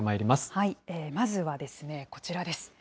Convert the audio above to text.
まずはこちらです。